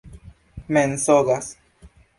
mensogas